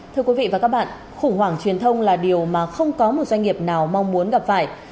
thưa quý vị và các bạn khủng hoảng truyền thông là điều mà không có một doanh nghiệp nào mong muốn gặp phải